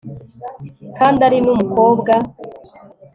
kandi ari numukobwa